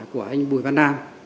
của anh bùi văn nam